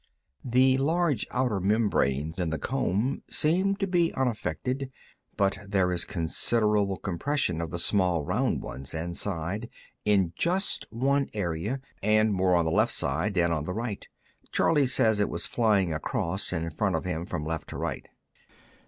The large outer membranes in the comb seem to be unaffected, but there is considerable compression of the small round ones inside, in just one area, and more on the left side than on the right. Charley says it was flying across in front of him from left to right."